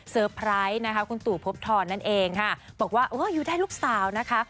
ไพรส์นะคะคุณตู่พบทรนั่นเองค่ะบอกว่าเอออยู่ได้ลูกสาวนะคะ